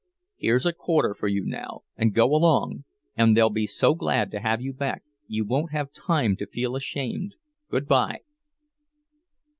Here's a quarter for you now, and go along, and they'll be so glad to have you back, you won't have time to feel ashamed. Good by!"